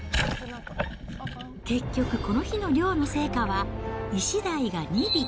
結局、この日の漁の成果は、イシダイが２尾。